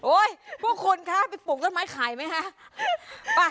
โอ้ยพวกคุณค่ะไปปลูกต้นไม้ไข่ไหมค่ะ